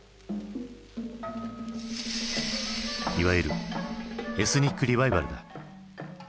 いわゆるエスニック・リバイバルだ。